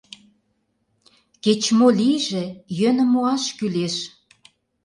— Кеч-мо лийже, йӧным муаш кӱлеш.